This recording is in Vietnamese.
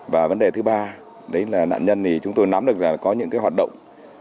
và vấn đề thứ ba đấy là nạn nhân thì chúng tôi nắm được có những hoạt động